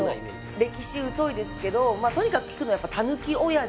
歴史疎いですけどまあとにかく聞くのはやっぱタヌキおやじ。